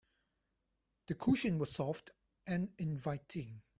The cushion was soft and inviting.